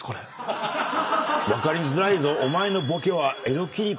分かりづらいぞ。